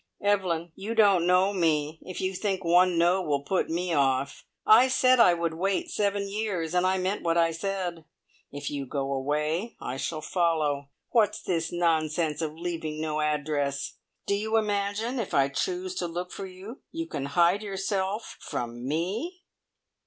Evelyn, you don't know me, if you think one `no' will put me off. I said I would wait seven years, and I meant what I said. If you go away, I shall follow. What's this nonsense of leaving no address? Do you imagine, if I choose to look for you, you can hide yourself from ME?"